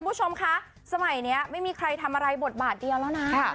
คุณผู้ชมคะสมัยนี้ไม่มีใครทำอะไรบทบาทเดียวแล้วนะ